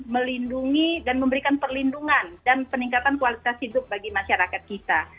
melindungi dan memberikan perlindungan dan peningkatan kualitas hidup bagi masyarakat kita